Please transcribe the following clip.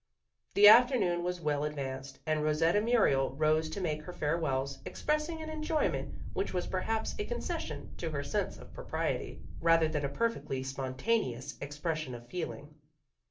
The afternoon was well advanced, and Rosetta Muriel rose to make her farewells, expressing an enjoyment which was perhaps a concession to her sense of propriety, rather than a perfectly spontaneous expression of feeling.